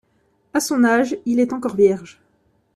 À son âge, il est encore vierge.